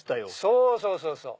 そうそうそうそう。